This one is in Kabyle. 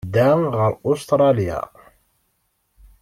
Nedda ɣer Ustṛalya.